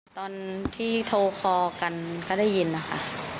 ตอนที่โทรคอกันก็ได้ยินนะคะ